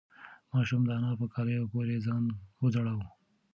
ماشوم د انا په کالیو پورې ځان وځړاوه.